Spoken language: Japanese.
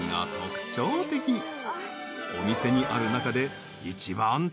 ［お店にある中で］